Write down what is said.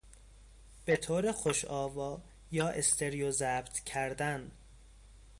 به طور خوش آوا یا استریو ضبط کردن